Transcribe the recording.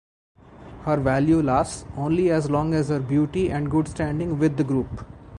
Her value lasts only as long as her beauty and good-standing with the group.